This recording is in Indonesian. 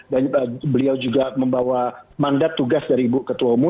dan beliau juga membawa mandat tugas dari ibu ketua umu